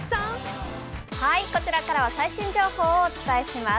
こちらからは最新情報をお伝えします。